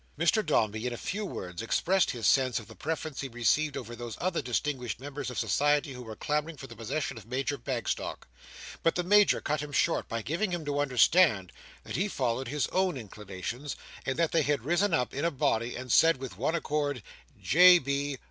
Mr Dombey, in a few words, expressed his sense of the preference he received over those other distinguished members of society who were clamouring for the possession of Major Bagstock. But the Major cut him short by giving him to understand that he followed his own inclinations, and that they had risen up in a body and said with one accord, "J. B.